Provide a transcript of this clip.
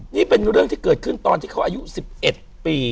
นี่เป็นเรื่องที่เกิดขึ้นตอนที่เขาอายุ๑๑ปี